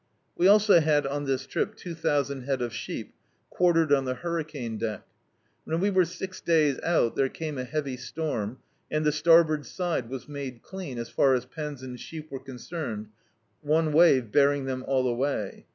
We also had on this trip two thousand head of sheep, quartered on the hurricane deck. When we were six days out there came a heavy stonn, and the starboard side was made clean, as far as pens and sheep were concerned, one wave bearing them all away.